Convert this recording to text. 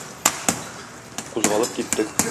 Кузгалып киттек.